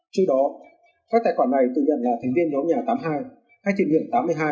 trước đó các tài khoản này tự nhận là thành viên nhóm nhà tám mươi hai hay thiện nguyện tám mươi hai